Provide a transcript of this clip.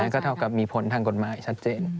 ก็เท่ากับมีผลทางกฎหมายชัดเจน